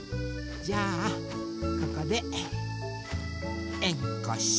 じゃあここでえんこっしょ。